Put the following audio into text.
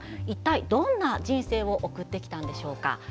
一体どんな人生を送ってきたんでしょうか。